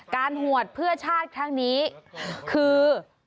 การหววดเพื่อชาติทั้งนี้คือ